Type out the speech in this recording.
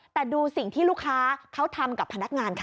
แต่ดูสิ่งที่ลูกค้าเขาทำกับพนักงานค่ะ